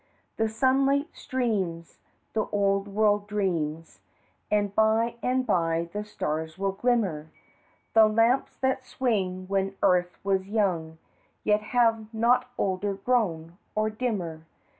The sunlight streams, the old world dreams, And by and by the stars will glimmer, The lamps that swung when earth was young Yet have not older grown, or dimmer.